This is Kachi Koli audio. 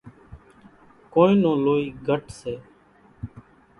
ڪونئين نون لوئي گھٽ سي۔